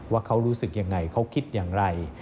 ว่าเขารู้สึกยังไงเขาคิดอย่างไร